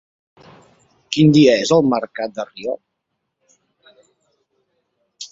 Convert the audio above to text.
Quin dia és el mercat de Real?